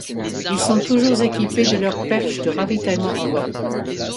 Ils sont toujours équipés de leur perche de ravitaillement en vol.